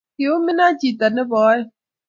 kiumina chito ne bo oeng